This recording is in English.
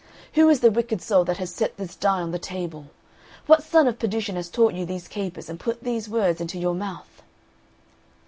Who is the wicked soul that has set this die on the table? What son of perdition has taught you these capers and put these words into your mouth?"